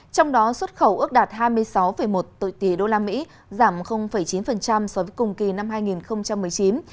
trong đó xuất khẩu ước đạt hai mươi sáu một tỷ đô la mỹ giảm chín so với cùng kỳ năm hai nghìn một mươi chín